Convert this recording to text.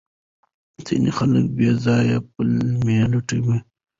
ځینې خلک بې ځایه پلمې لټوي.